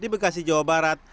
di bekasi jawa barat